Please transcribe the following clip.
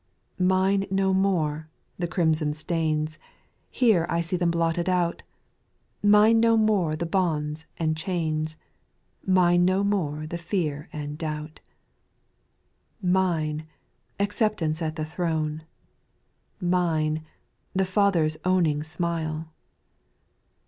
8. Mine no more the crimson stains, Here I see them blotted out ;' Mine no more the bonds and chains, Mine no more the fear and doubt. 4. Mine, acceptance at the throne, Mine, the Father's owning smile.